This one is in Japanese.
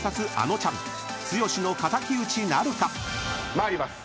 参ります。